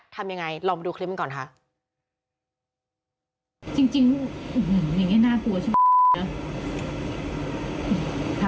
ทำยังไงลองไปดูคลิปกันก่อนค่ะจริงจริงอื้อหืออย่างงี้น่ากลัวใช่ไหม